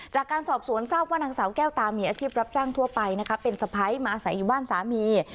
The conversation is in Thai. จากการสอบสวนทราบว่านางสาวแก้วตามีอาชีพรับจ้างทั่วไปนะคะเป็นสะพ้ายมาอาศัยอยู่บ้านสามี